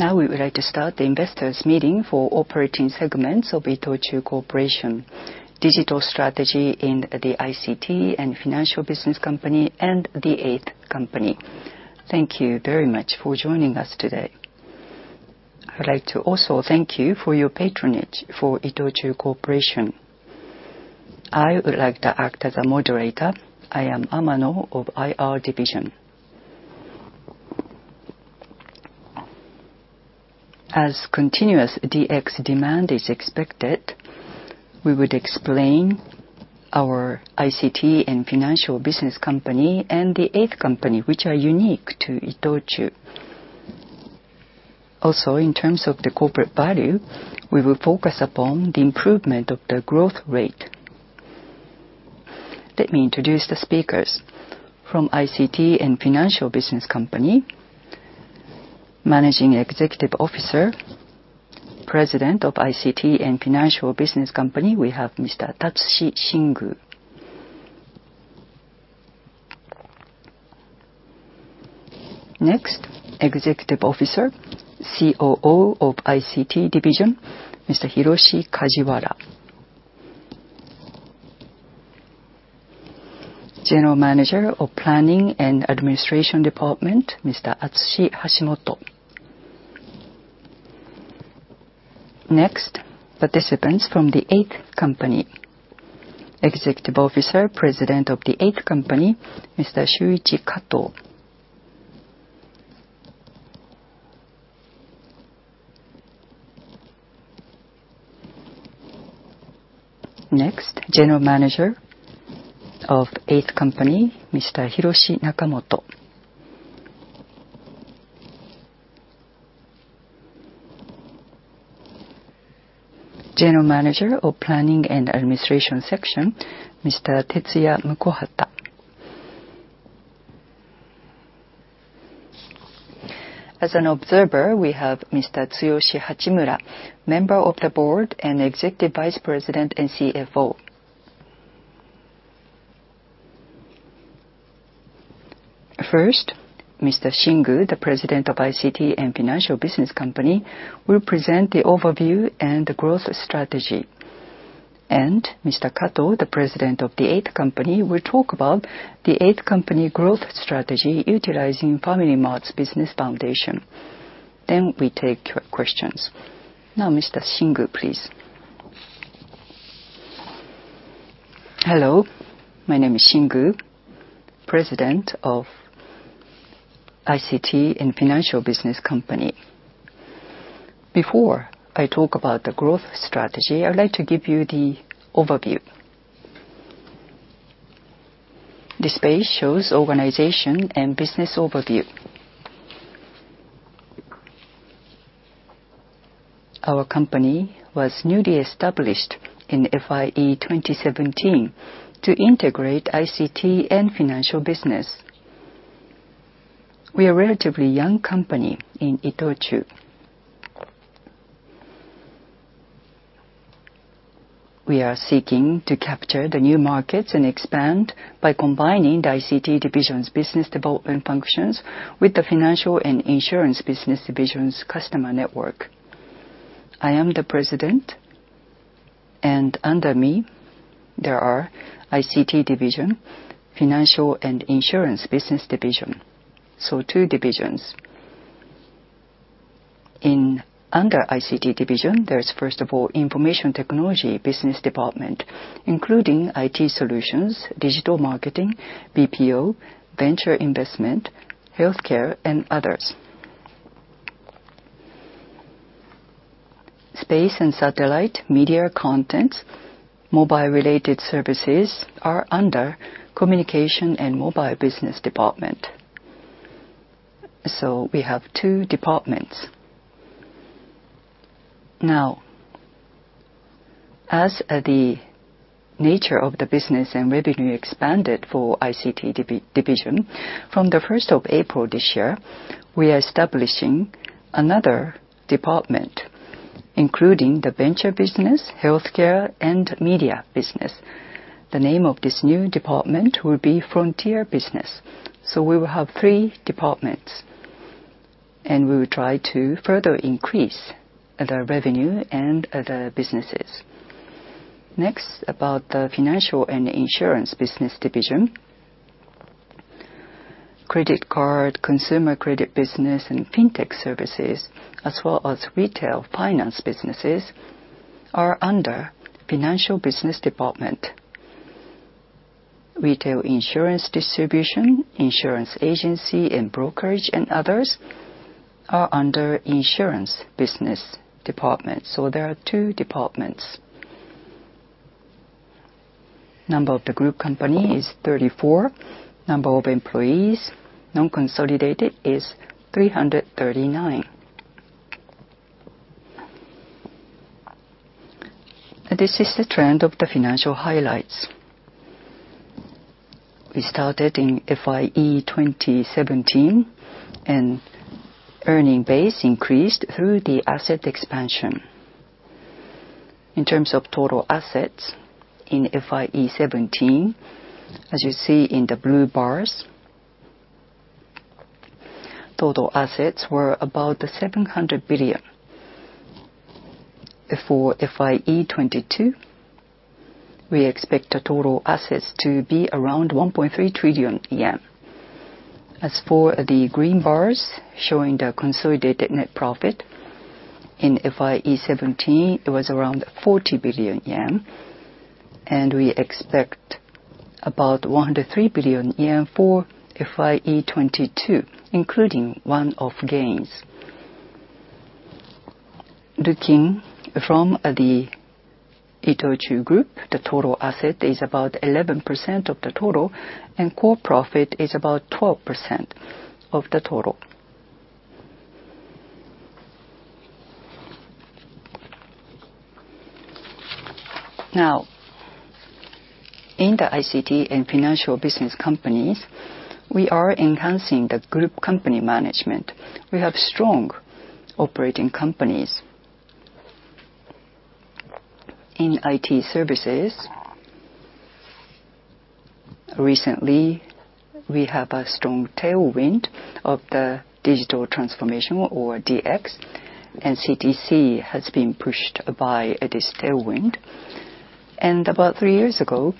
Now we would like to start the Investors' Meeting for Operating segments of ITOCHU Corporation, Digital Strategy in the ICT and Financial Business Company, and The 8th Company. Thank you very much for joining us today. I would like to also thank you for your patronage for ITOCHU Corporation. I would like to act as a moderator. I am Amano of IR Division. As continuous DX demand is expected, we would explain our ICT and Financial Business Company and The 8th Company, which are unique to ITOCHU. Also, in terms of the corporate value, we will focus upon the improvement of the growth rate. Let me introduce the speakers. From ICT and Financial Business Company, Managing Executive Officer, President of ICT and Financial Business Company, we have Mr. Tatsushi Shingu. Next, Executive Officer, COO of ICT Division, Mr. Hiroshi Kajiwara. General Manager of Planning and Administration Department, Mr. Atsushi Hashimoto. Next, participants from The 8th Company. Executive Officer, President of The 8th Company, Mr. Shuichi Kato. Next, General Manager of The 8th Company, Mr. Hiroshi Nakamoto. General Manager of Planning and Administration Section, Mr. Tetsuya Mukohata. As an observer, we have Mr. Tsuyoshi Hachimura, Member of the Board and Executive Vice President and CFO. First, Mr. Shingu, the President of ICT and Financial Business Company, will present the overview and the growth strategy. Mr. Kato, the President of The 8th Company, will talk about The 8th Company growth strategy utilizing FamilyMart's business foundation. We take questions. Now, Mr. Shingu, please. Hello. My name is Shingu, President of ICT and Financial Business Company. Before I talk about the growth strategy, I'd like to give you the overview. This page shows organization and business overview. Our company was newly established in fiscal year 2017 to integrate ICT and Financial Business. We are a relatively young company in ITOCHU. We are seeking to capture the new markets and expand by combining the ICT division's business development functions with the Financial and Insurance Business Division's customer network. I am the President, and under me, there are ICT Division, Financial and Insurance Business Division. Two divisions. Under ICT Division, there is, first of all, Information Technology Business Department, including IT solutions, digital marketing, BPO, venture investment, healthcare, and others. Space and satellite media contents, mobile-related services are under Communication and Mobile Business Department. We have two departments. Now, as the nature of the business and revenue expanded for ICT Division, from the 1st of April this year, we are establishing another department, including the Venture business, Healthcare, and Media business. The name of this new department will be Frontier Business. We will have three departments, and we will try to further increase the revenue and the businesses. Next, about the Financial and Insurance Business Division, Credit Card, Consumer Credit business, and Fintech Services, as well as Retail Finance Businesses, are under Financial Business Department. Retail Insurance Distribution, insurance agency and brokerage, and others are under Insurance Business Department. There are two departments. Number of the group company is 34. Number of employees, non-consolidated, is 339. This is the trend of the financial highlights. We started in FYE 2017, and earning base increased through the asset expansion. In terms of total assets in FYE 2017, as you see in the blue bars, total assets were about 700 billion. For FYE 2022, we expect the total assets to be around 1.3 trillion yen. As for the green bars showing the consolidated net profit, in FYE 2017, it was around 40 billion yen, and we expect about 103 billion yen for FYE 2022, including one-off gains. Looking from the ITOCHU Group, the total asset is about 11% of the total, and core profit is about 12% of the total. Now, in the ICT and Financial Business Companies, we are enhancing the group company management. We have strong operating companies in IT services. Recently, we have a strong tailwind of the digital transformation, or DX, and CTC has been pushed by this tailwind. About three years ago,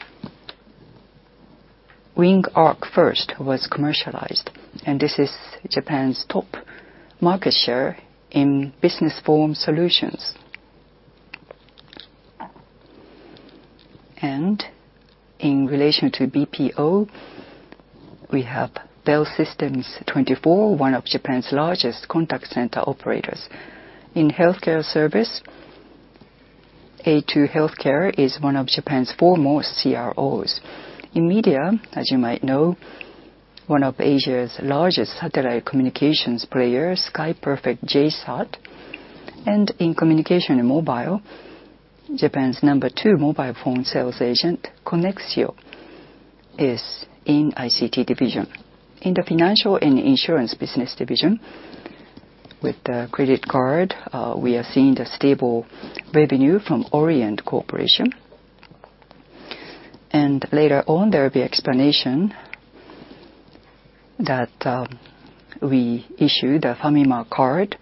WingArc1st was commercialized, and this is Japan's top market share in business form solutions. In relation to BPO, we have Bellsystem24 Holdings, one of Japan's largest contact center operators. In healthcare service, A2 Healthcare is one of Japan's foremost CROs. In media, as you might know, one of Asia's largest satellite communications players, SKY Perfect JSAT. In communication and mobile, Japan's number two mobile phone sales agent, Conexio, is in ICT Division. In the Financial and Insurance Business Division, with the Credit Card, we are seeing the stable revenue from Orient Corporation. There will be explanation that we issue the Famima Card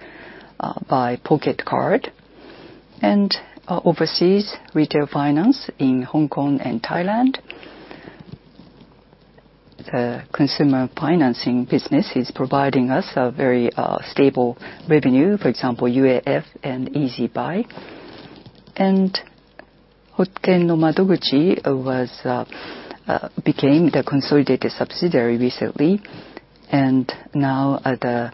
by Pocket Card and overseas retail finance in Hong Kong and Thailand. The Consumer Financing business is providing us a very stable revenue, for example, UAF and EASY BUY. HOKEN NO MADOGUCHI became the consolidated subsidiary recently, and now the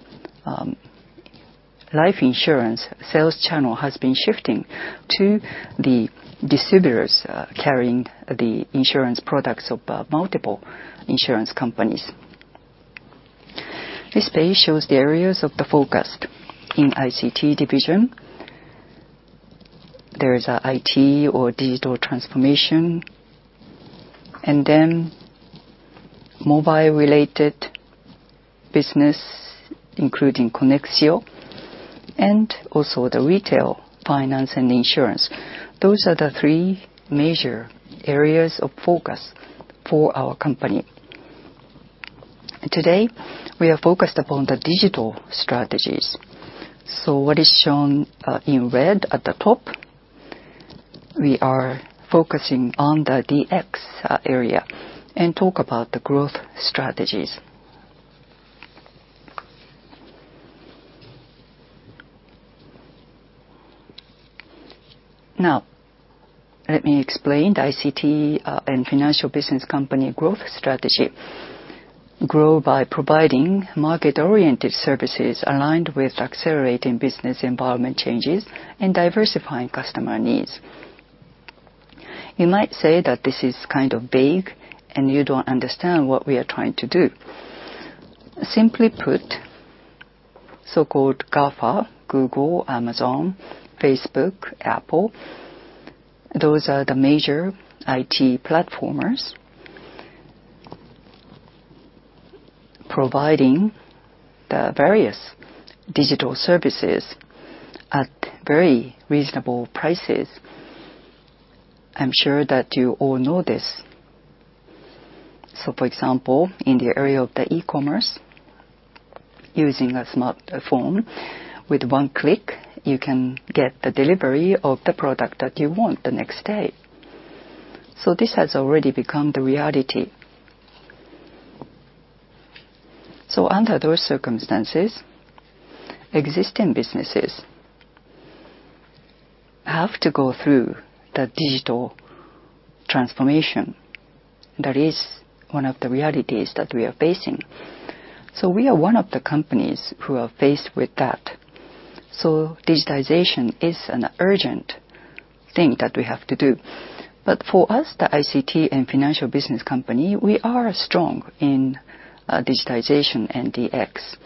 life insurance sales channel has been shifting to the distributors carrying the insurance products of multiple insurance companies. This page shows the areas of the focus in ICT Division. There is IT or digital transformation, and then mobile-related business, including Conexio, and also the Retail Finance and Insurance. Those are the three major areas of focus for our company. Today, we are focused upon the digital strategies. What is shown in red at the top, we are focusing on the DX area and talk about the growth strategies. Now, let me explain the ICT and Financial Business Company growth strategy. Grow by providing market-oriented services aligned with accelerating business environment changes and diversifying customer needs. You might say that this is kind of vague, and you do not understand what we are trying to do. Simply put, so-called GAFA, Google, Amazon, Facebook, Apple, those are the major IT platformers, providing the various digital services at very reasonable prices. I am sure that you all know this. For example, in the area of e-commerce, using a smartphone, with one click, you can get the delivery of the product that you want the next day. This has already become the reality. Under those circumstances, existing businesses have to go through the digital transformation. That is one of the realities that we are facing. We are one of the companies who are faced with that. Digitization is an urgent thing that we have to do. For us, the ICT and Financial Business Company, we are strong in digitization and DX.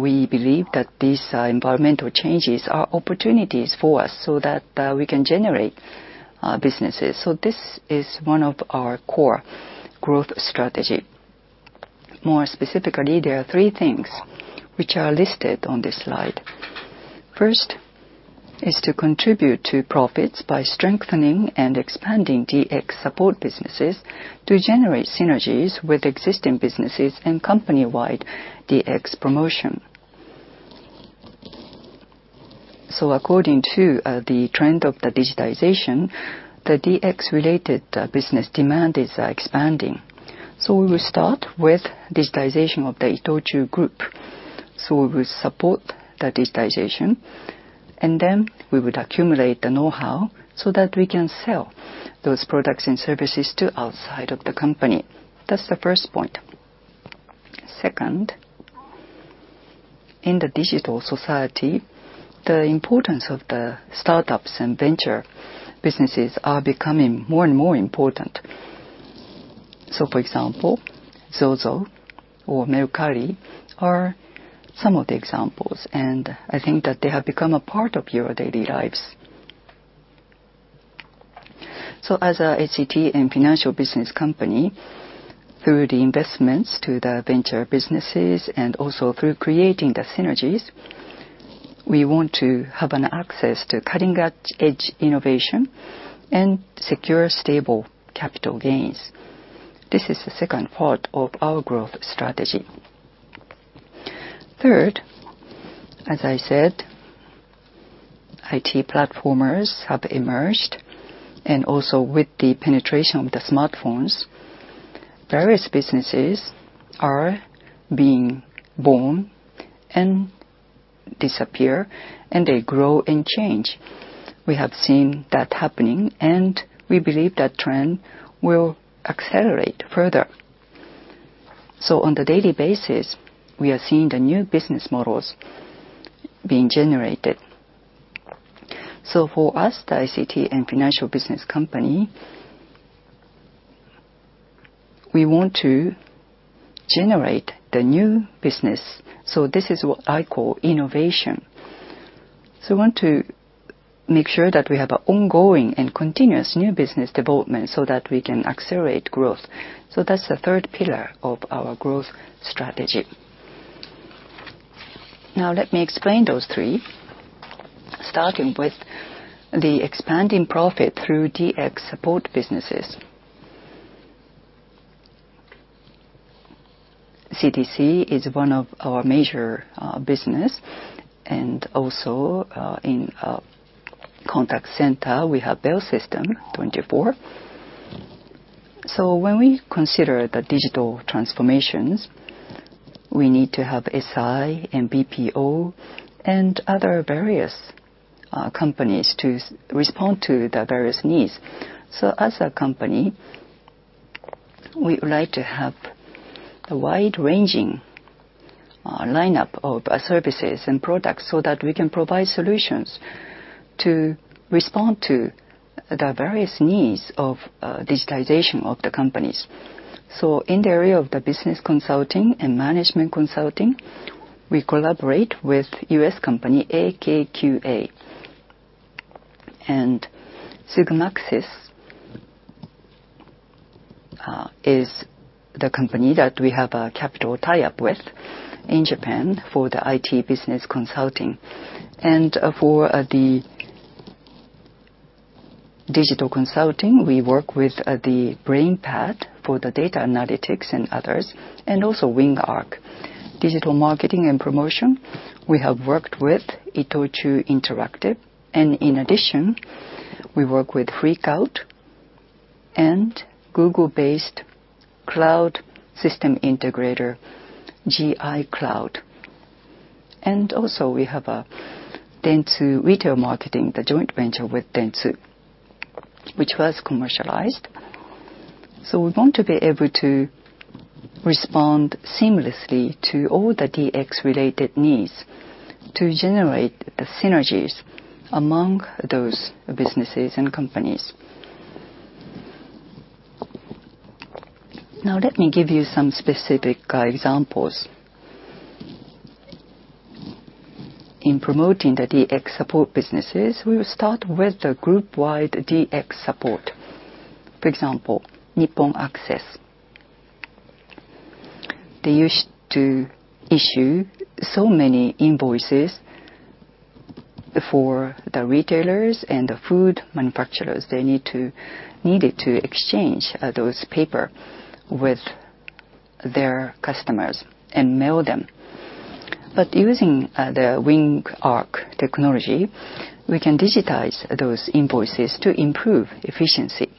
We believe that these environmental changes are opportunities for us so that we can generate businesses. This is one of our core growth strategies. More specifically, there are three things which are listed on this slide. First is to contribute to profits by strengthening and expanding DX support businesses to generate synergies with existing businesses and company-wide DX promotion. According to the trend of the digitization, the DX-related business demand is expanding. We will start with digitization of the ITOCHU Group. We will support the digitization, and then we would accumulate the know-how so that we can sell those products and services to outside of the company. That's the first point. Second, in the digital society, the importance of the startups and venture businesses are becoming more and more important. For example, ZOZO or Mercari are some of the examples, and I think that they have become a part of your daily lives. As an ICT and Financial Business Company, through the Investments to the Venture businesses and also through creating the synergies, we want to have access to cutting-edge innovation and secure stable capital gains. This is the second part of our growth strategy. Third, as I said, IT platformers have emerged, and also with the penetration of the smartphones, various businesses are being born and disappear, and they grow and change. We have seen that happening, and we believe that trend will accelerate further. On a daily basis, we are seeing the new business models being generated. For us, the ICT and Financial Business Company, we want to generate the new business. This is what I call innovation. We want to make sure that we have ongoing and continuous new business development so that we can accelerate growth. That's the third pillar of our growth strategy. Now, let me explain those three, starting with the expanding profit through DX support businesses. CTC is one of our major businesses, and also in contact center, we have Bellsystem24. When we consider the digital transformations, we need to have SI and BPO and other various companies to respond to the various needs. As a company, we would like to have a wide-ranging lineup of services and products so that we can provide solutions to respond to the various needs of digitization of the companies. In the area of the business consulting and management consulting, we collaborate with U.S. company AKQA. SIGMAXYZ is the company that we have a capital tie-up with in Japan for the IT business consulting. For the digital consulting, we work with BrainPad for the data analytics and others, and also WingArc. Digital marketing and promotion, we have worked with ITOCHU Interactive. In addition, we work with FreakOut and Google-based cloud system integrator, G-I Cloud. We also have Dentsu Retail Marketing, the joint venture with Dentsu, which was commercialized. We want to be able to respond seamlessly to all the DX-related needs to generate the synergies among those businesses and companies. Now, let me give you some specific examples. In promoting the DX support businesses, we will start with the group-wide DX support. For example, NIPPON ACCESS. They used to issue so many invoices for the retailers and the food manufacturers. They needed to exchange those papers with their customers and mail them. Using the WingArc technology, we can digitize those invoices to improve efficiency.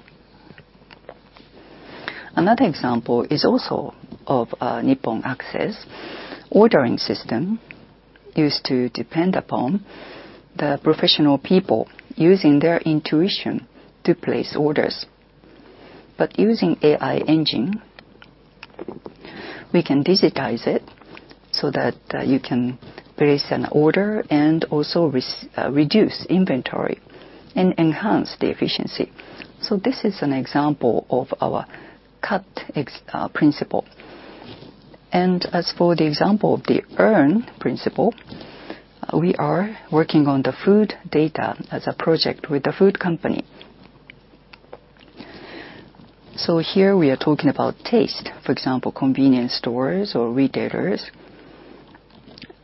Another example is also of NIPPON ACCESS. Ordering system used to depend upon the professional people using their intuition to place orders. Using AI engine, we can digitize it so that you can place an order and also reduce inventory and enhance the efficiency. This is an example of our cut principle. As for the example of the earn principle, we are working on the food data as a project with the food company. Here we are talking about taste. For example, convenience stores or retailers,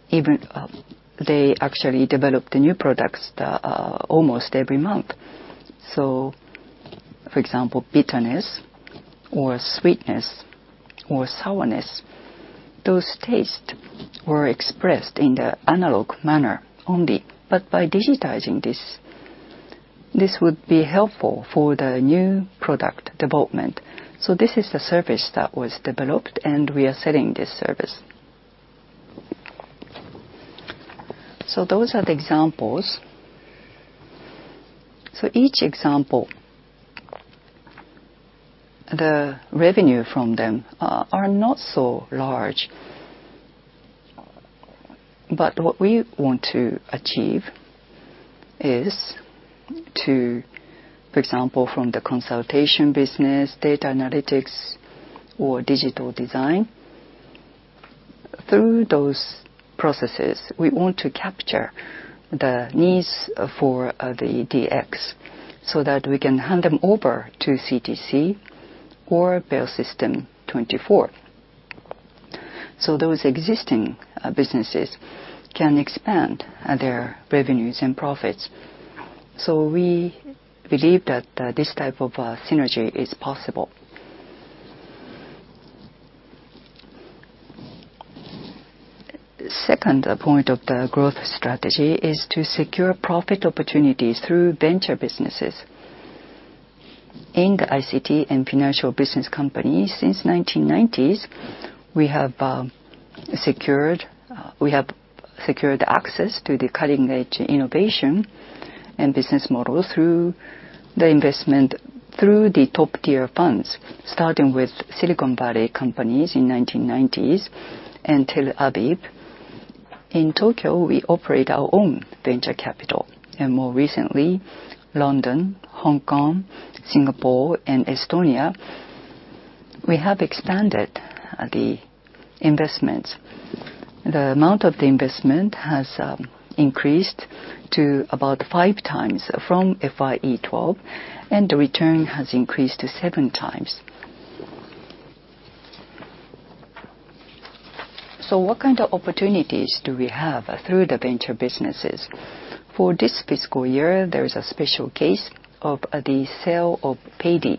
even they actually develop the new products almost every month. For example, bitterness or sweetness or sourness, those tastes were expressed in the analog manner only. By digitizing this, this would be helpful for the new product development. This is the service that was developed, and we are selling this service. Those are the examples. Each example, the revenue from them are not so large. What we want to achieve is to, for example, from the Consultation business, data analytics, or digital design, through those processes, we want to capture the needs for the DX so that we can hand them over to CTC or Bellsystem24. Those existing businesses can expand their revenues and profits. We believe that this type of synergy is possible. The second point of the growth strategy is to secure profit opportunities through Venture businesses. In the ICT and Financial Business Company, since the 1990s, we have secured access to the cutting-edge innovation and business models through the investment through the top-tier funds, starting with Silicon Valley companies in the 1990s until Appier. In Tokyo, we operate our own venture capital. More recently, London, Hong Kong, Singapore, and Estonia, we have expanded the investments. The amount of the investment has increased to about five times from FYE 2012, and the return has increased to seven times. What kind of opportunities do we have through the Venture businesses? For this fiscal year, there is a special case of the sale of Paidy.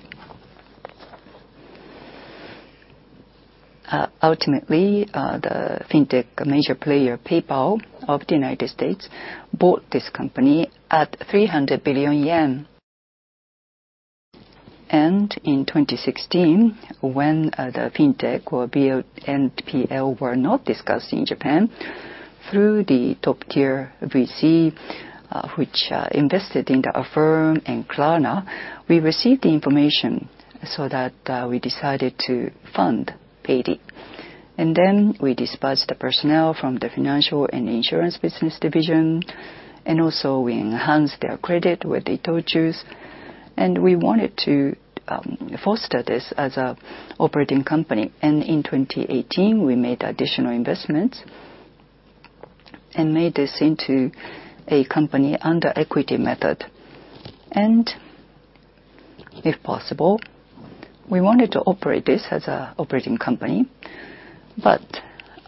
Ultimately, the fintech major player PayPal of the U.S. bought this company at 300 billion yen. In 2016, when the fintech or BNPL were not discussed in Japan, through the top-tier VC, which invested in the firm and Klarna, we received the information so that we decided to fund Paidy. We dispatched the personnel from the Financial and Insurance Business Division, and also we enhanced their credit with ITOCHU's. We wanted to foster this as an operating company. In 2018, we made additional investments and made this into a company under equity method. If possible, we wanted to operate this as an operating company.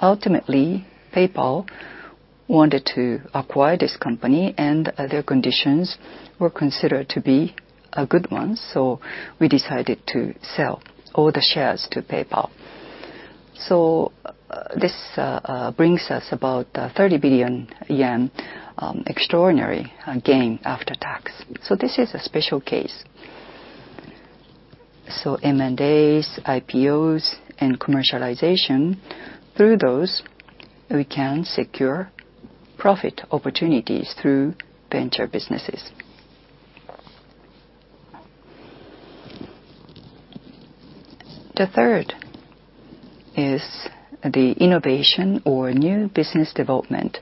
Ultimately, PayPal wanted to acquire this company, and their conditions were considered to be a good one. We decided to sell all the shares to PayPal. This brings us about 30 billion yen extraordinary gain after tax. This is a special case. M&As, IPOs, and commercialization, through those, we can secure profit opportunities through Venture businesses. The third is the innovation or new business development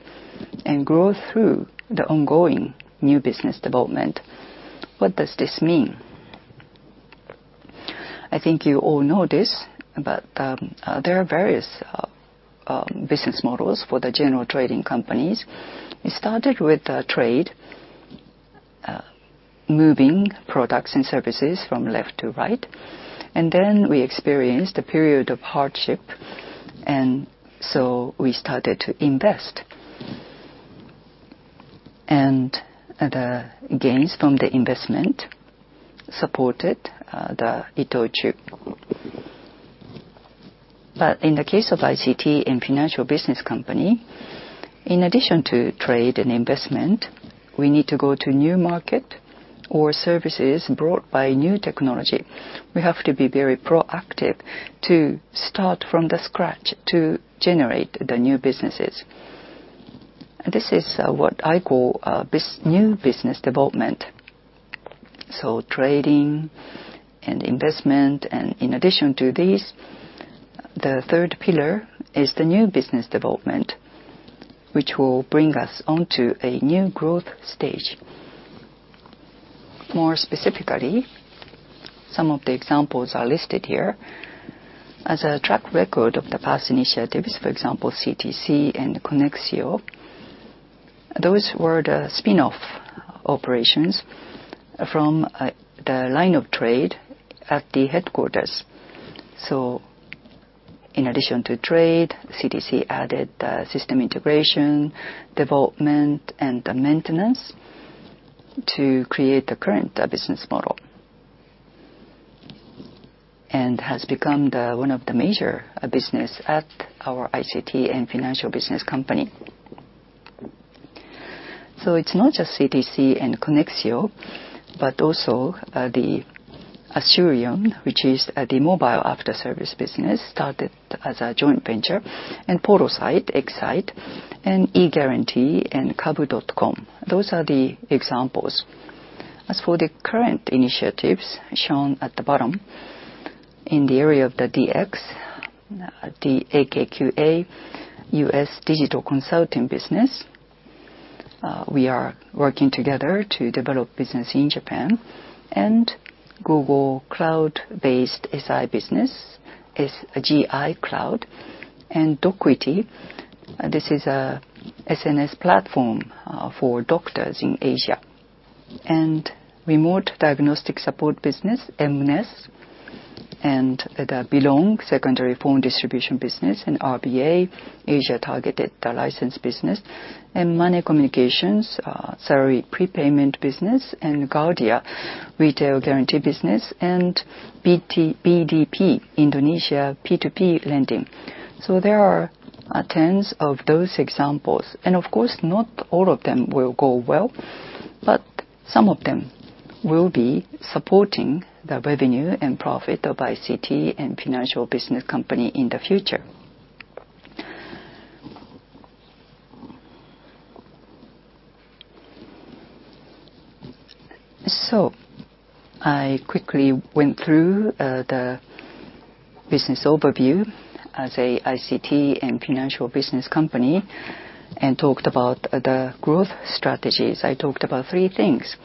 and growth through the ongoing new business development. What does this mean? I think you all know this, but there are various business models for the general trading companies. It started with trade, moving products and services from left to right. Then we experienced a period of hardship, and we started to invest. The gains from the investment supported the ITOCHU. In the case of ICT and Financial Business Company, in addition to trade and investment, we need to go to new markets or services brought by new technology. We have to be very proactive to start from scratch to generate the new businesses. This is what I call new business development. Trading and investment. In addition to these, the third pillar is the new business development, which will bring us onto a new growth stage. More specifically, some of the examples are listed here. As a track record of the past initiatives, for example, CTC and Conexio, those were the spin-off operations from the line of trade at the headquarters. In addition to trade, CTC added system integration, development, and maintenance to create the current business model and has become one of the major businesses at our ICT and Financial Business Company. It is not just CTC and Conexio, but also Asurion, which is the mobile after-service business, started as a joint venture, and portal site Excite, eGuarantee, and kabu.com. Those are the examples. As for the current initiatives shown at the bottom, in the area of DX, the AKQA U.S. digital consulting business, we are working together to develop business in Japan, and Google Cloud-based SI business, G-I Cloud, and Docquity. This is an SNS platform for doctors in Asia. Remote diagnostic support business, MNES, the Belong secondary phone distribution business, RBA, Asia-targeted license business, Money Communication, salary prepayment business, Gardia retail guarantee business, and PDP, Indonesia, P2P lending. There are tens of those examples. Of course, not all of them will go well, but some of them will be supporting the revenue and profit of ICT and Financial Business Company in the future. I quickly went through the business overview as an ICT and Financial Business Company and talked about the growth strategies. I talked about three things.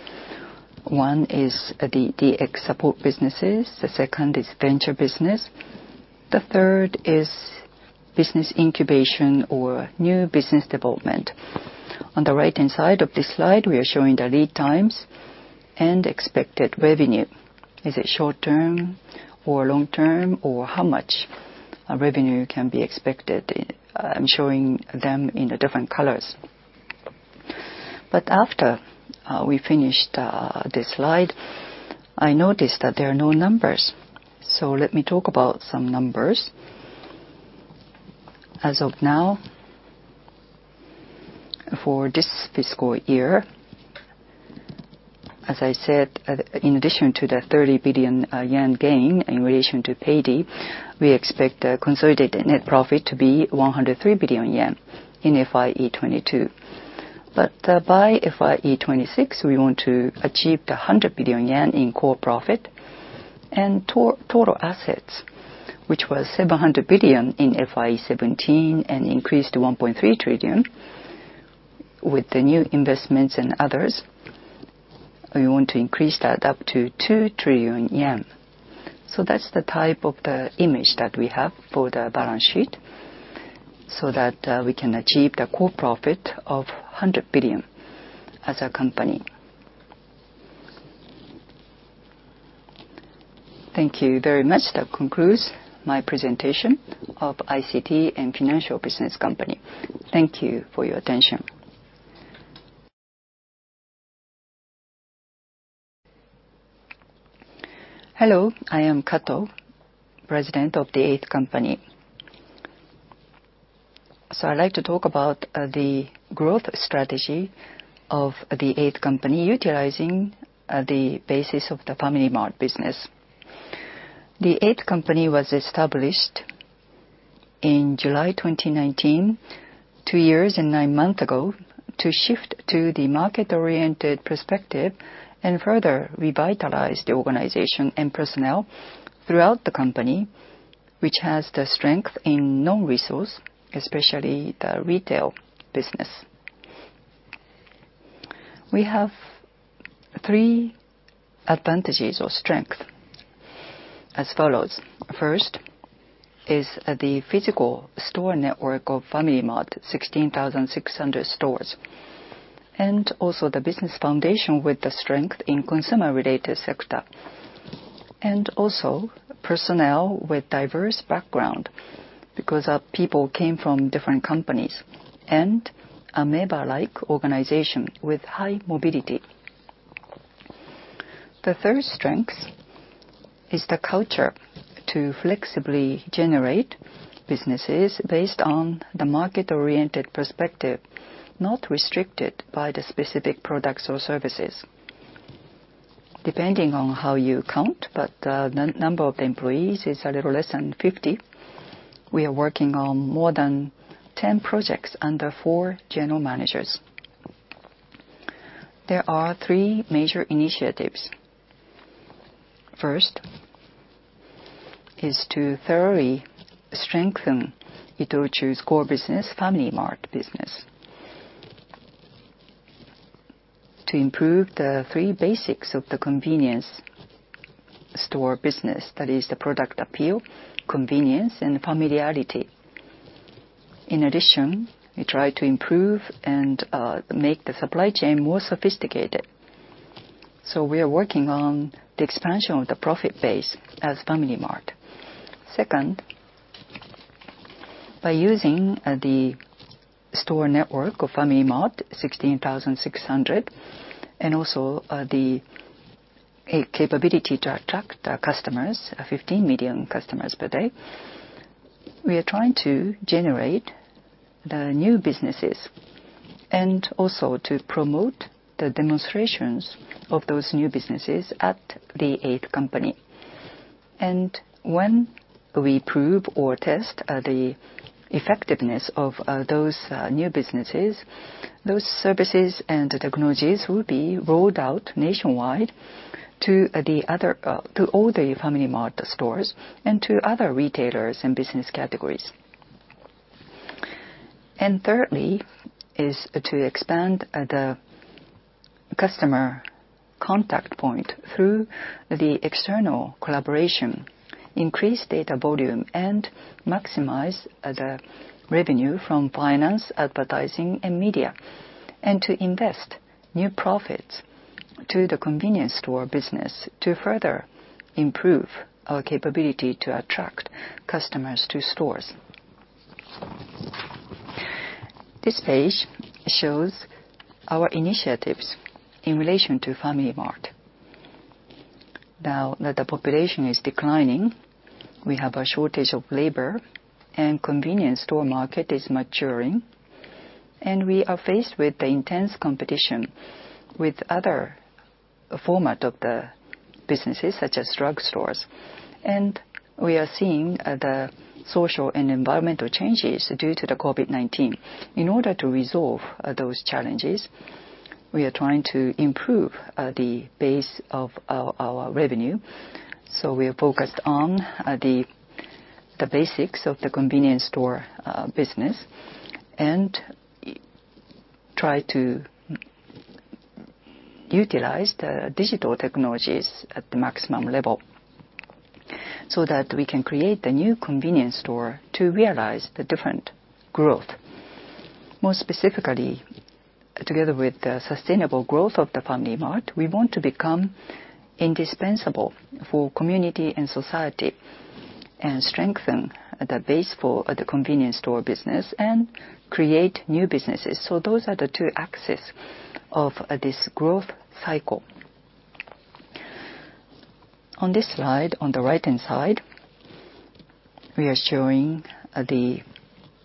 One is the DX support businesses. The second is Venture business. The third is business incubation or new business development. On the right-hand side of this slide, we are showing the lead times and expected revenue. Is it short-term or long-term, or how much revenue can be expected? I am showing them in different colors. After we finished this slide, I noticed that there are no numbers. Let me talk about some numbers. As of now, for this fiscal year, as I said, in addition to the 30 billion yen gain in relation to Paidy, we expect the consolidated net profit to be 103 billion yen in FYE 2022. By FYE 2026, we want to achieve the 100 billion yen in core profit and total assets, which was 700 billion in FYE 2017 and increased to 1.3 trillion with the new investments and others. We want to increase that up to 2 trillion yen. That is the type of the image that we have for the balance sheet so that we can achieve the core profit of 100 billion as a company. Thank you very much. That concludes my presentation of ICT and Financial Business Company. Thank you for your attention. Hello. I am Kato, President of The 8th Company. I'd like to talk about the growth strategy of The 8th Company utilizing the basis of the FamilyMart business. The 8th Company was established in July 2019, two years and nine months ago, to shift to the market-oriented perspective and further revitalize the organization and personnel throughout the company, which has the strength in non-resource, especially the retail business. We have three advantages or strengths as follows. First is the physical store network of FamilyMart, 16,600 stores, and also the business foundation with the strength in consumer-related sector, and also personnel with diverse background because people came from different companies and a member-like organization with high mobility. The third strength is the culture to flexibly generate businesses based on the market-oriented perspective, not restricted by the specific products or services. Depending on how you count, but the number of employees is a little less than 50. We are working on more than 10 projects under four general managers. There are three major initiatives. First is to thoroughly strengthen ITOCHU's core business, FamilyMart business, to improve the three basics of the convenience store business, that is, the product appeal, convenience, and familiarity. In addition, we try to improve and make the supply chain more sophisticated. We are working on the expansion of the profit base as FamilyMart. Second, by using the store network of FamilyMart, 16,600, and also the capability to attract customers, 15 million customers per day, we are trying to generate the new businesses and also to promote the demonstrations of those new businesses at The 8th Company. When we prove or test the effectiveness of those new businesses, those services and technologies will be rolled out nationwide to all the FamilyMart stores and to other retailers and business categories. Thirdly is to expand the customer contact point through external collaboration, increase data volume, and maximize the revenue from finance, advertising, and media, and to invest new profits to the convenience store business to further improve our capability to attract customers to stores. This page shows our initiatives in relation to FamilyMart. Now that the population is declining, we have a shortage of labor, and the convenience store market is maturing, and we are faced with intense competition with other formats of businesses, such as drug stores. We are seeing social and environmental changes due to COVID-19. In order to resolve those challenges, we are trying to improve the base of our revenue. We are focused on the basics of the convenience store business and try to utilize the digital technologies at the maximum level so that we can create the new convenience store to realize the different growth. More specifically, together with the sustainable growth of the FamilyMart, we want to become indispensable for community and society and strengthen the base for the convenience store business and create new businesses. Those are the two axes of this growth cycle. On this slide, on the right-hand side, we are showing the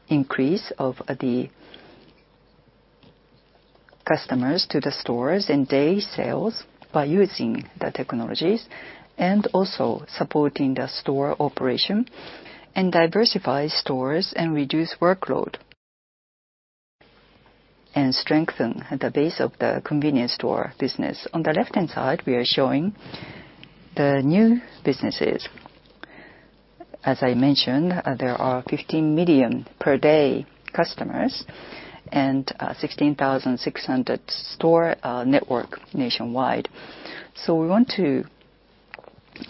increase of the customers to the stores and day sales by using the technologies and also supporting the store operation and diversify stores and reduce workload and strengthen the base of the convenience store business. On the left-hand side, we are showing the new businesses. As I mentioned, there are 15 million per day customers and 16,600 store network nationwide. We want to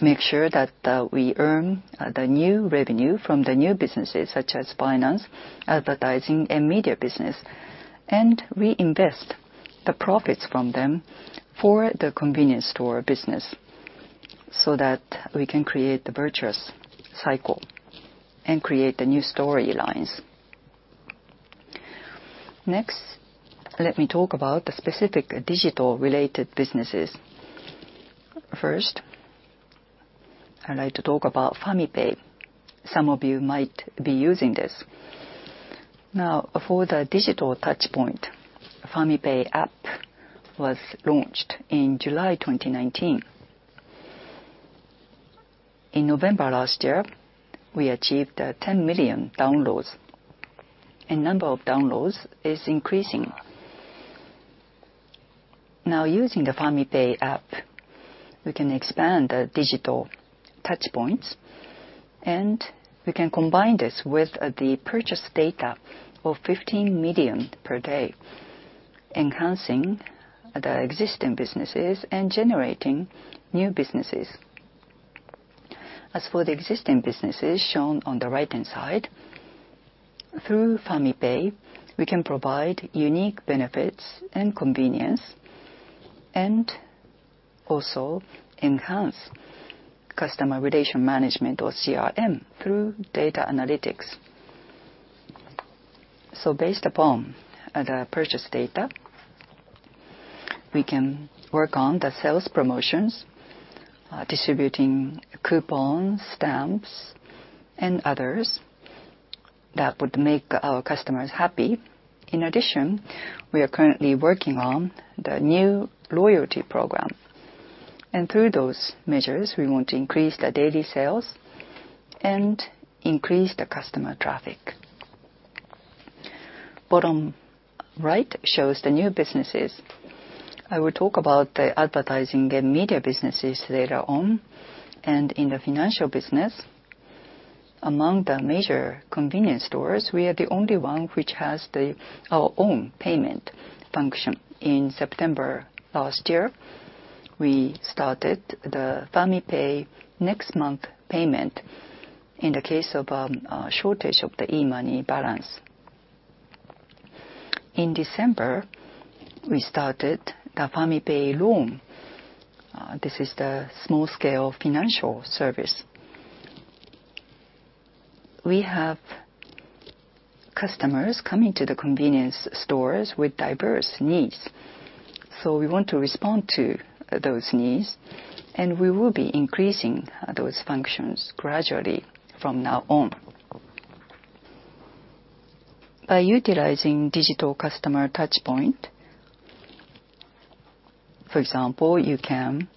make sure that we earn the new revenue from the new businesses, such as finance, advertising, and media business, and reinvest the profits from them for the convenience store business so that we can create the virtuous cycle and create the new storylines. Next, let me talk about the specific digital-related businesses. First, I'd like to talk about FamiPay. Some of you might be using this. Now, for the digital touchpoint, FamiPay app was launched in July 2019. In November last year, we achieved 10 million downloads. The number of downloads is increasing. Now, using the FamiPay app, we can expand the digital touchpoints, and we can combine this with the purchase data of 15 million per day, enhancing the existing businesses and generating new businesses. As for the existing businesses shown on the right-hand side, through FamiPay, we can provide unique benefits and convenience and also enhance customer relation management or CRM through data analytics. Based upon the purchase data, we can work on the sales promotions, distributing coupons, stamps, and others that would make our customers happy. In addition, we are currently working on the new loyalty program. Through those measures, we want to increase the daily sales and increase the customer traffic. Bottom right shows the new businesses. I will talk about the advertising and media businesses later on. In the financial business, among the major convenience stores, we are the only one which has our own payment function. In September last year, we started the FamiPay next month payment in the case of a shortage of the e-money balance. In December, we started the FamiPay Loan. This is the small-scale financial service. We have customers coming to the convenience stores with diverse needs. We want to respond to those needs, and we will be increasing those functions gradually from now on. By utilizing digital customer touchpoint, for example, you can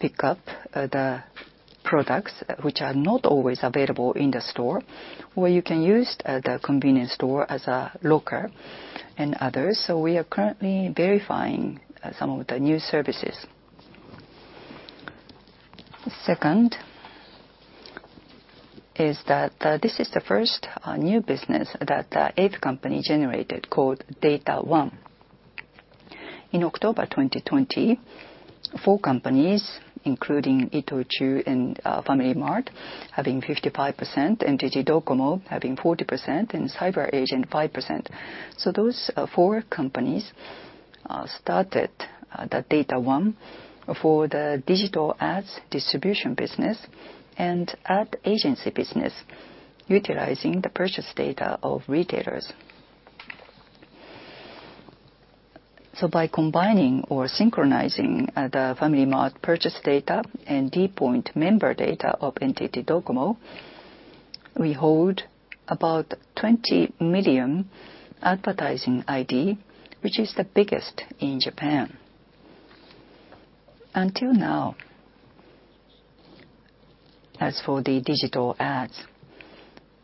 pick up the products which are not always available in the store, or you can use the convenience store as a locker and others. We are currently verifying some of the new services. Second is that this is the first new business that The 8th Company generated called Data One. In October 2020, four companies, including ITOCHU and FamilyMart, having 55%, and Docomo, having 40%, and CyberAgent, 5%. Those four companies started the Data One for the digital ads distribution business and ad agency business, utilizing the purchase data of retailers. By combining or synchronizing the FamilyMart purchase data and d Point member data of NTT Docomo, we hold about 20 million advertising ID, which is the biggest in Japan. Until now, as for the digital ads,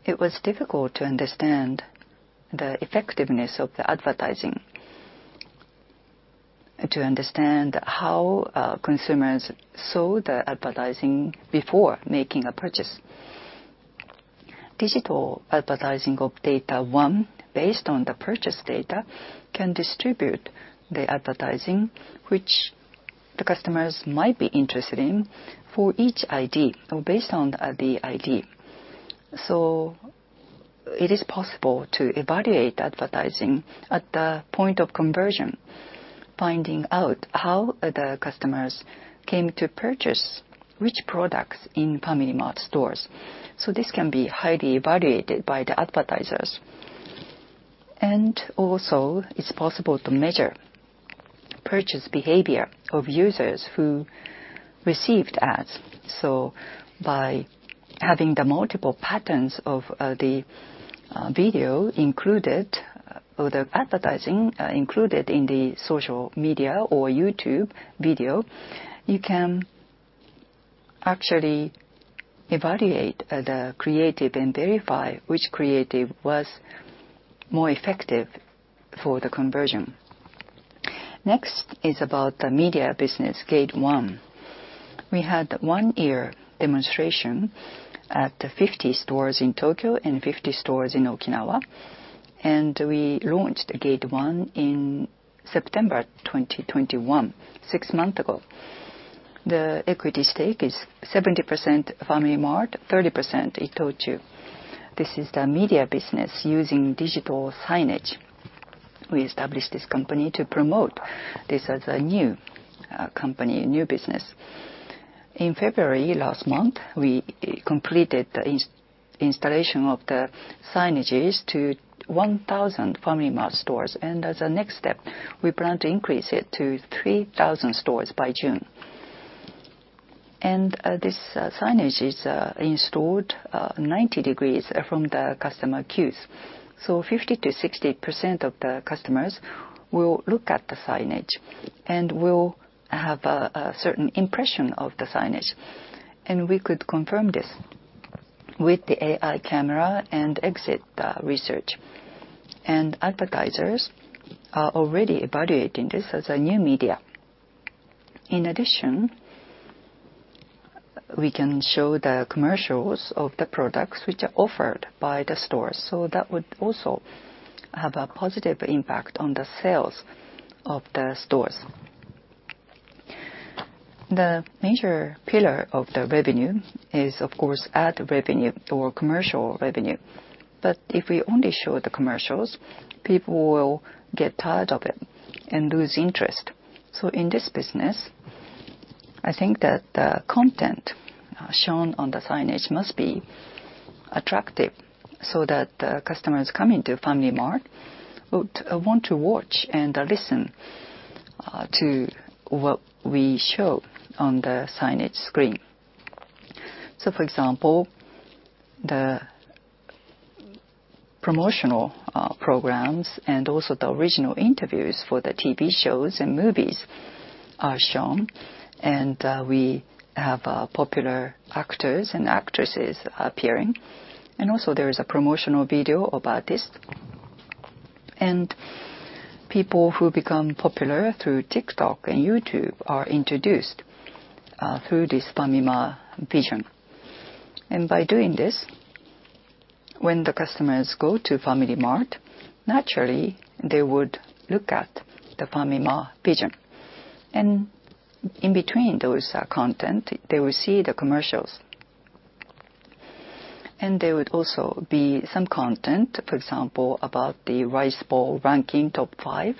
it was difficult to understand the effectiveness of the advertising, to understand how consumers saw the advertising before making a purchase. Digital advertising of Data One, based on the purchase data, can distribute the advertising which the customers might be interested in for each ID or based on the ID. It is possible to evaluate advertising at the point of conversion, finding out how the customers came to purchase which products in FamilyMart stores. This can be highly evaluated by the advertisers. Also, it's possible to measure purchase behavior of users who received ads. By having the multiple patterns of the video included or the advertising included in the social media or YouTube video, you can actually evaluate the creative and verify which creative was more effective for the conversion. Next is about the media business, Gate One. We had a one-year demonstration at 50 stores in Tokyo and 50 stores in Okinawa, and we launched Gate One in September 2021, six months ago. The equity stake is 70% FamilyMart, 30% ITOCHU. This is the media business using digital signage. We established this company to promote this as a new company, new business. In February last month, we completed the installation of the signages to 1,000 FamilyMart stores, and as a next step, we plan to increase it to 3,000 stores by June. This signage is installed 90 degrees from the customer queues. Fifty to 60% of the customers will look at the signage and will have a certain impression of the signage. We could confirm this with the AI camera and exit research. Advertisers are already evaluating this as a new media. In addition, we can show the commercials of the products which are offered by the stores. That would also have a positive impact on the sales of the stores. The major pillar of the revenue is, of course, ad revenue or commercial revenue. If we only show the commercials, people will get tired of it and lose interest. In this business, I think that the content shown on the signage must be attractive so that the customers coming to FamilyMart would want to watch and listen to what we show on the signage screen. For example, the promotional programs and also the original interviews for the TV shows and movies are shown, and we have popular actors and actresses appearing. There is a promotional video about this. People who become popular through TikTok and YouTube are introduced through this FamilyMartVision. By doing this, when the customers go to FamilyMart, naturally, they would look at the FamilyMartVision. In between those content, they will see the commercials. There would also be some content, for example, about the rice bowl ranking top five.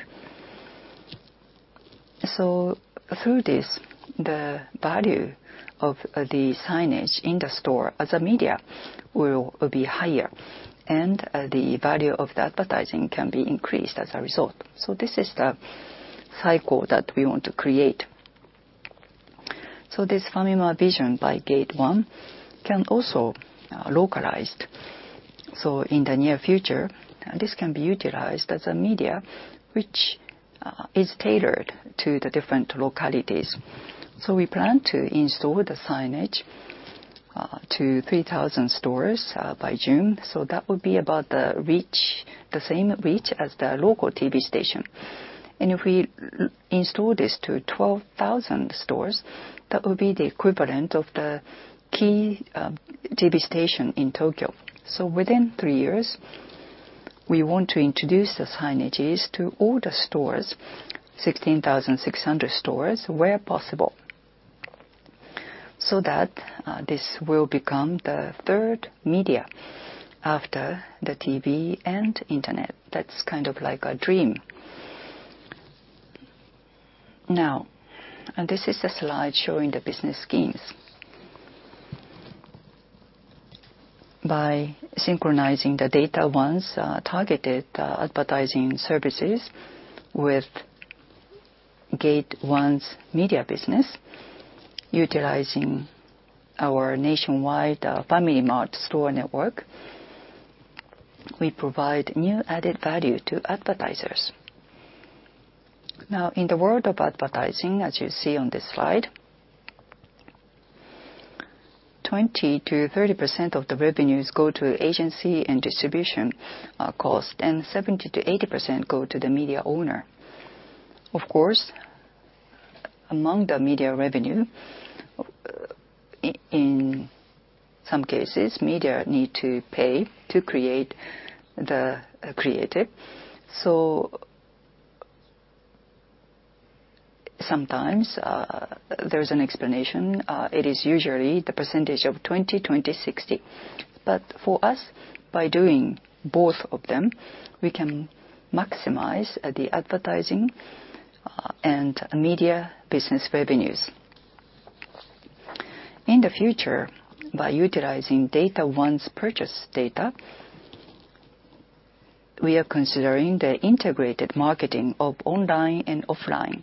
Through this, the value of the signage in the store as a media will be higher, and the value of the advertising can be increased as a result. This is the cycle that we want to create. This FamilyMartVision by Gate One can also be localized. In the near future, this can be utilized as a media which is tailored to the different localities. We plan to install the signage to 3,000 stores by June. That would be about the same reach as the local TV station. If we install this to 12,000 stores, that would be the equivalent of the key TV station in Tokyo. Within three years, we want to introduce the signages to all the stores, 16,600 stores where possible, so that this will become the third media after the TV and internet. That's kind of like a dream. This is a slide showing the business schemes. By synchronizing the Data One's targeted advertising services with Gate One's media business, utilizing our nationwide FamilyMart store network, we provide new added value to advertisers. Now, in the world of advertising, as you see on this slide, 20%-30% of the revenues go to agency and distribution cost, and 70%-80% go to the media owner. Of course, among the media revenue, in some cases, media need to pay to create the creative. Sometimes there is an explanation. It is usually the percentage of 20%, 20%, 60%. For us, by doing both of them, we can maximize the advertising and media business revenues. In the future, by utilizing Data One's purchase data, we are considering the integrated marketing of online and offline,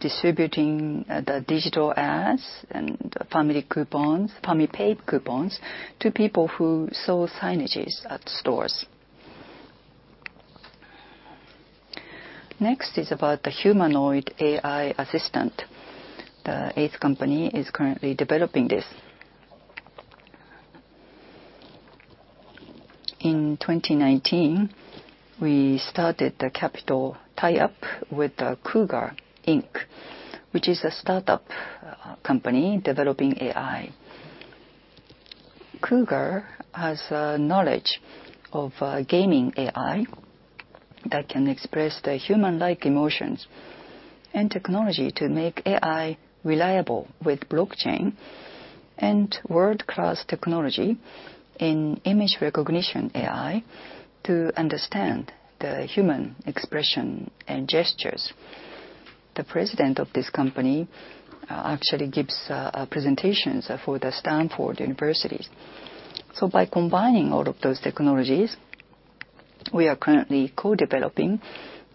distributing the digital ads and FamiPay coupons to people who sell signages at stores. Next is about the humanoid AI assistant. The 8th Company is currently developing this. In 2019, we started the capital tie-up with Couger Inc., which is a startup company developing AI. Couger has knowledge of gaming AI that can express the human-like emotions and technology to make AI reliable with blockchain and world-class technology in image recognition AI to understand the human expression and gestures. The president of this company actually gives presentations for the Stanford universities. By combining all of those technologies, we are currently co-developing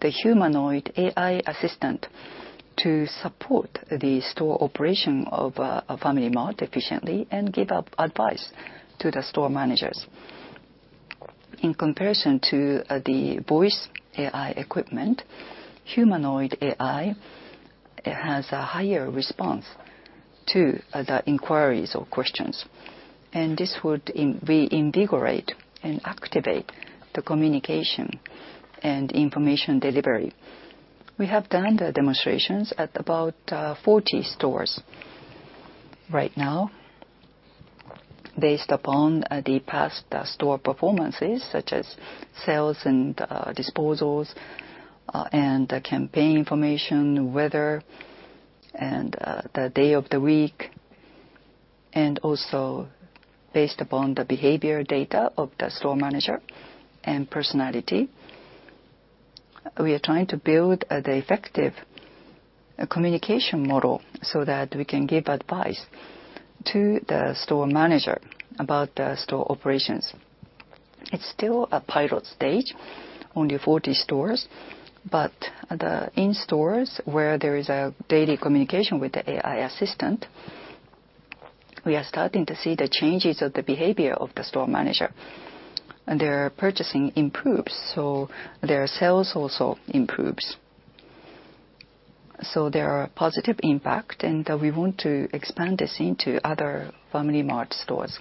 the humanoid AI assistant to support the store operation of FamilyMart efficiently and give advice to the store managers. In comparison to the voice AI equipment, humanoid AI has a higher response to the inquiries or questions. This would reinvigorate and activate the communication and information delivery. We have done the demonstrations at about 40 stores right now, based upon the past store performances, such as sales and disposals and campaign information, weather and the day of the week, and also based upon the behavior data of the store manager and personality. We are trying to build the effective communication model so that we can give advice to the store manager about the store operations. It is still a pilot stage, only 40 stores, but in stores where there is a daily communication with the AI assistant, we are starting to see the changes of the behavior of the store manager. Their purchasing improves, so their sales also improves. There are positive impacts, and we want to expand this into other FamilyMart stores.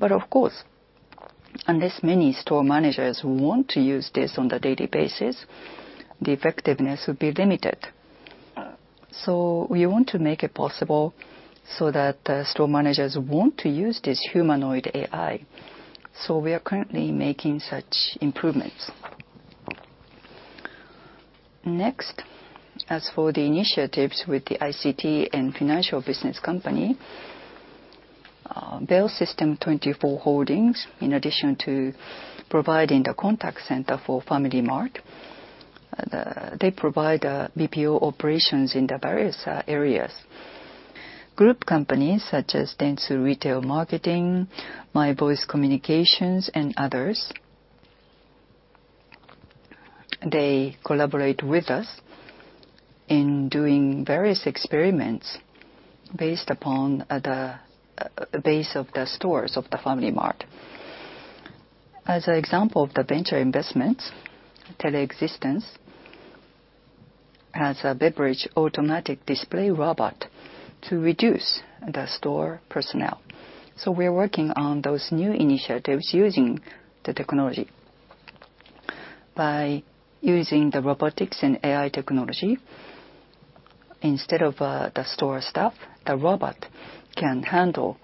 Of course, unless many store managers want to use this on a daily basis, the effectiveness would be limited. We want to make it possible so that store managers want to use this humanoid AI. We are currently making such improvements. Next, as for the initiatives with the ICT and Financial Business Company, Bellsystem24 Holdings, in addition to providing the contact center for FamilyMart, they provide BPO operations in the various areas. Group companies such as Dentsu Retail Marketing, MyVoice Communications, and others, they collaborate with us in doing various experiments based upon the base of the stores of FamilyMart. As an example of the venture investments, Telexistence has a beverage automatic display robot to reduce the store personnel. We are working on those new initiatives using the technology. By using the robotics and AI technology, instead of the store staff, the robot can handle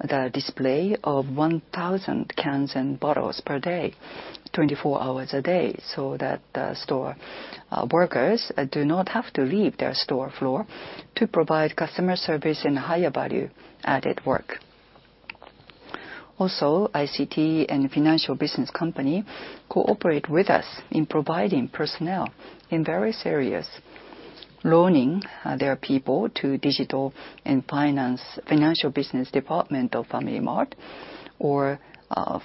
the display of 1,000 cans and bottles per day, 24 hours a day, so that the store workers do not have to leave their store floor to provide customer service and higher value-added work. Also, ICT and Financial Business Company cooperate with us in providing personnel in various areas, loaning their people to Digital and Financial Business Department of FamilyMart, or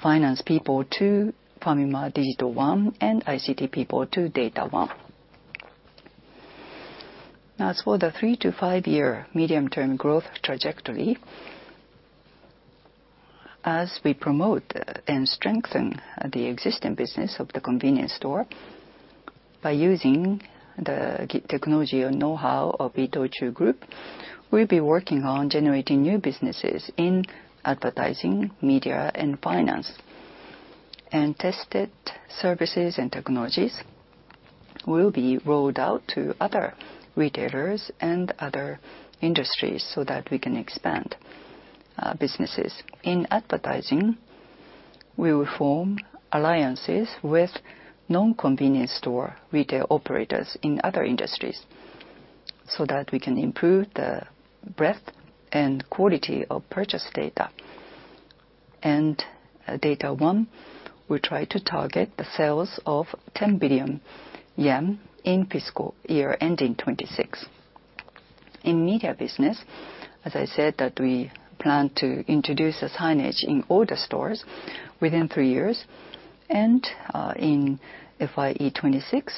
finance people to FamilyMart Digital One and ICT people to Data One. As for the three- to five-year medium-term growth trajectory, as we promote and strengthen the existing business of the convenience store by using the technology and know-how of ITOCHU Group, we will be working on generating new businesses in advertising, media, and finance. Tested services and technologies will be rolled out to other retailers and other industries so that we can expand businesses. In advertising, we will form alliances with non-convenience store retail operators in other industries so that we can improve the breadth and quality of purchase data. Data One will try to target the sales of 10 billion yen in fiscal year ending 2026. In media business, as I said, we plan to introduce signage in all the stores within three years. In FYE 2026,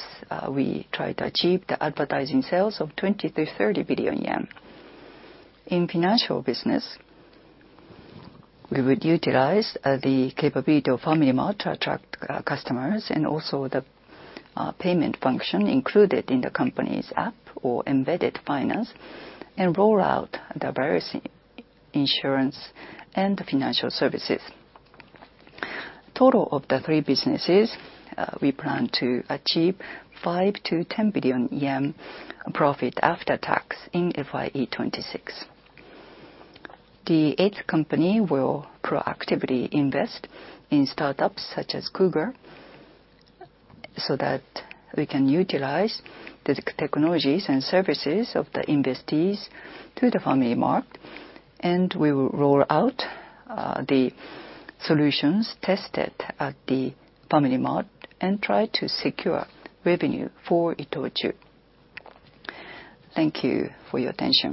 we try to achieve the advertising sales of 20 billion-30 billion yen. In financial business, we would utilize the capability of FamilyMart to attract customers and also the payment function included in the company's app or embedded finance and roll out the various insurance and financial services. Total of the three businesses, we plan to achieve 5 billion-10 billion yen profit after tax in FYE 2026. The 8th Company will proactively invest in startups such as Couger so that we can utilize the technologies and services of the investees to the FamilyMart. We will roll out the solutions tested at the FamilyMart and try to secure revenue for ITOCHU. Thank you for your attention.